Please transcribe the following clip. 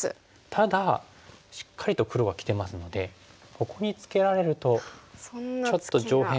ただしっかりと黒はきてますのでここにツケられるとちょっと上辺が。